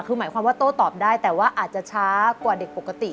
คือหมายความว่าโต้ตอบได้แต่ว่าอาจจะช้ากว่าเด็กปกติ